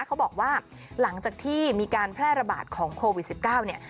เขาบอกว่าหลังจากที่มีการแพร่ระบาดของโควิด๑๙เนี่ย